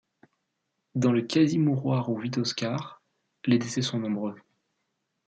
Dans le quasi-mouroir où vit Oscar, les décès sont nombreux.